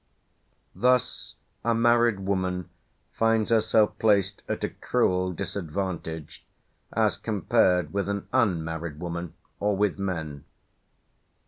Thus a married woman finds herself placed at a cruel disadvantage as compared with an unmarried woman or with men.